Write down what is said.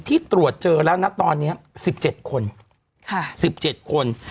ที่ตรวจเจอแล้วนะตอนนี้สิบเจ็ดคน